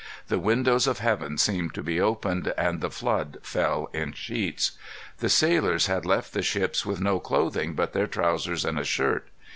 The windows of heaven seemed to be opened, and the flood fell in sheets. The sailors had left the ships with no clothing but their trousers and a shirt.